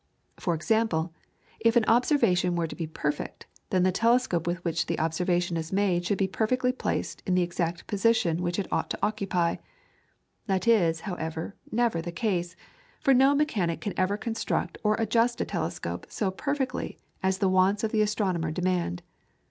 For example, if an observation were to be perfect, then the telescope with which the observation is made should be perfectly placed in the exact position which it ought to occupy; this is, however, never the case, for no mechanic can ever construct or adjust a telescope so perfectly as the wants of the astronomer demand.